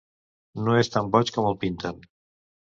No és tan boig com el pinten.